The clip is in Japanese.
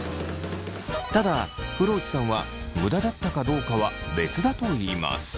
ただ風呂内さんは無駄だったかどうかは別だといいます。